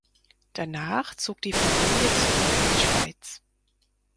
Danach zog die Familie zurück in die Schweiz.